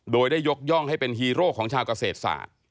โดยได้ยกย่องให้เป็นฮีโร่ของชาวเกษตรศาสตร์